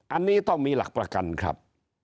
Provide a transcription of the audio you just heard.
อันนี้ต้องมีหลักประกันครับ